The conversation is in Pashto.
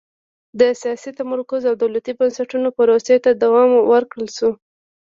د سیاسي تمرکز او دولتي بنسټونو پروسې ته دوام ورکړل شوه.